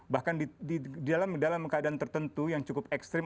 bahkan di dalam keadaan tertentu yang cukup ekstrim